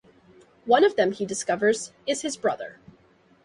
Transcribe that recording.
One of them, he discovers, is his brother.